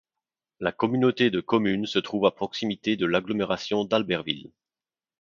La communauté de communes se trouve à proximité de l'agglomération d'Albertville.